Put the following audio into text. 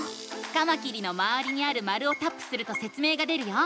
カマキリのまわりにある丸をタップするとせつ明が出るよ。